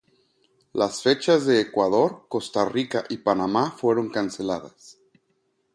Las fechas de Ecuador, Costa Rica y Panamá fueron canceladas.